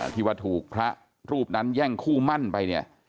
ที่ว่าถูกพระรูปนั้นแย่งคู่มั่นไปเนี่ย